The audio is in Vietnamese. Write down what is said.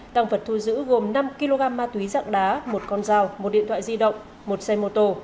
tăng vật thu giữ gồm năm kg ma túy dạng đá một con dao một điện thoại di động một xe mô tô